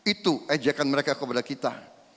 itu ajakan mereka kepada kita